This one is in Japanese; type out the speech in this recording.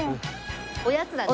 おやつだね。